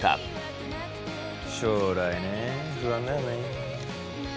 将来ね不安だよね。